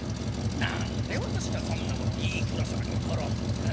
なんでワタシがそんなもの言いふらさなきゃならんのだ。